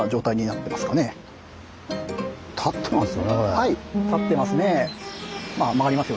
はい立ってますね。